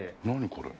これ。